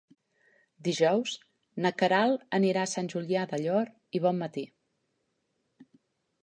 Dijous na Queralt anirà a Sant Julià del Llor i Bonmatí.